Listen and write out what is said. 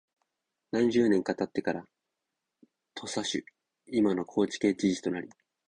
何十年か経ってから土佐守（いまの高知県知事）となり、